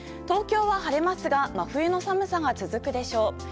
東京は晴れますが真冬の寒さが続くでしょう。